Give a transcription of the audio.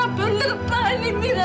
apa ini merah anak kita